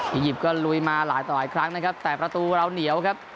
ยิปต์ก็ลุยมาหลายต่อหลายครั้งนะครับแต่ประตูเราเหนียวครับ